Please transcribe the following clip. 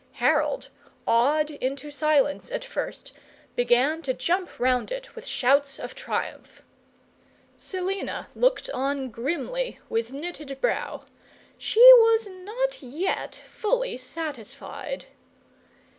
Harold, awed into silence at first, began to jump round it with shouts of triumph. Selina looked on grimly, with knitted brow; she was not yet fully satisfied.